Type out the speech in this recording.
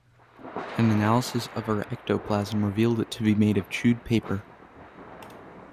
An analysis of her ectoplasm revealed it to be made of chewed paper.